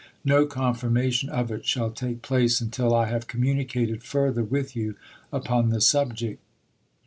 No confirmation of it shall take place until I have communicated further with you upon the subject.